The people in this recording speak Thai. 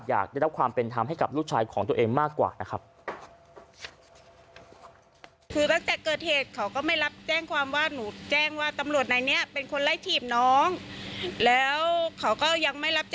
อยากได้รับความเป็นธรรมให้กับลูกชายของตัวเองมากกว่านะครับ